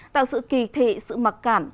tạo sự kỳ thị sự mặc cảm